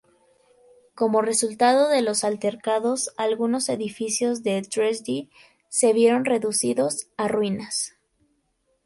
Como resultado de los altercados, algunos edificios de Dresde se vieron reducidos a ruinas.